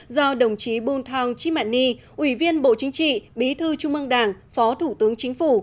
do đồng chí bung thong chimany ủy viên bộ chính trị bí thư trung ương đảng phó thủ tướng chính phủ